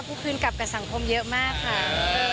คืนกลับกับสังคมเยอะมากค่ะ